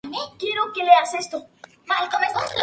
En los primeros años, el capítulo no.